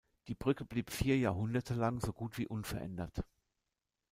Die Brücke blieb vier Jahrhunderte lang so gut wie unverändert.